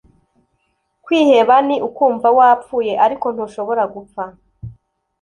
kwiheba ni ukumva wapfuye ariko ntushobora gupfa